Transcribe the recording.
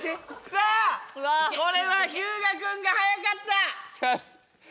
さあこれは日向君が速かったいきます